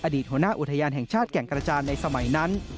หัวหน้าอุทยานแห่งชาติแก่งกระจานในสมัยนั้น